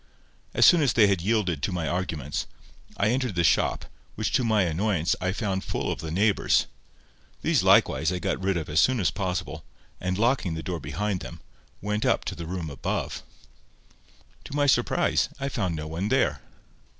As soon as they had yielded to my arguments, I entered the shop, which to my annoyance I found full of the neighbours. These likewise I got rid of as soon as possible, and locking the door behind them, went up to the room above. To my surprise, I found no one there.